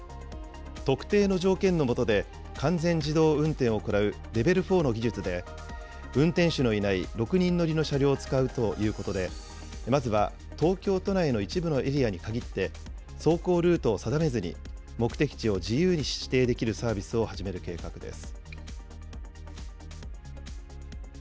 特定の条件のもとで、完全自動運転を行うレベル４の技術で、運転手のいない６人乗りの車両を使うということで、まずは東京都内の一部のエリアに限って、走行ルートを定めずに目的地を自由に指定できるサービスを始める計画です。